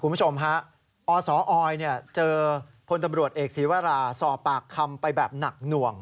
คุณผู้ชมฮะอสออยเจอพลตำรวจเอกศีวราสอบปากคำไปแบบหนักหน่วง